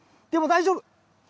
でも大丈夫。